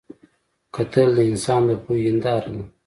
کتل د انسان د پوهې هنداره ده